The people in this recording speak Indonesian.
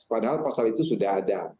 padahal pasal itu sudah ada